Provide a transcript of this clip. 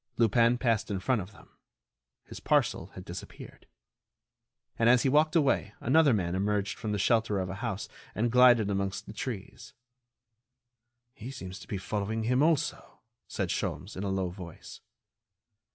Lupin passed in front of them. His parcel had disappeared. And as he walked away another man emerged from the shelter of a house and glided amongst the trees. "He seems to be following him also," said Sholmes, in a low voice.